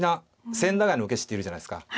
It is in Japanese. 「千駄ヶ谷の受け師」っているじゃないですか。